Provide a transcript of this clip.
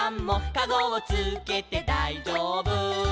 「かごをつけてだいじょうぶ」